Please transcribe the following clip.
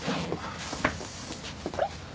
あれ？